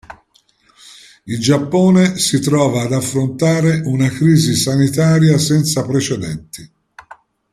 Il Giappone si trova ad affrontare una crisi sanitaria senza precedenti.